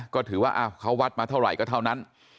ก็ถือว่าเขาวัดมาเท่าไหร่ก็เท่านั้น